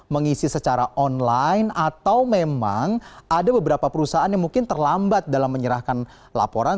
mengisi secara online atau memang ada beberapa perusahaan yang mungkin terlambat dalam menyerahkan laporan